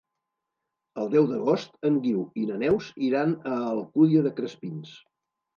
El deu d'agost en Guiu i na Neus iran a l'Alcúdia de Crespins.